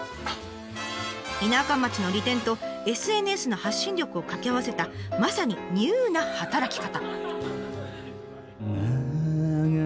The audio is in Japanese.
田舎町の利点とＳＮＳの発信力を掛け合わせたまさにニューな働き方。